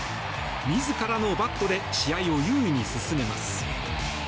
自らのバットで試合を優位に進めます。